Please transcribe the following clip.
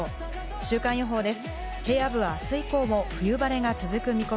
週間予報です。